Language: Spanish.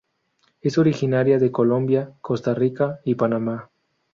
Es originaria de Colombia, Costa Rica y Panamá.